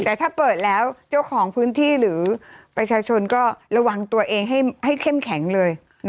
แต่ถ้าเปิดแล้วเจ้าของพื้นที่หรือประชาชนก็ระวังตัวเองให้เข้มแข็งเลย